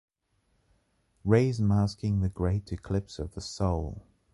Rays masking the great eclipse to the soul!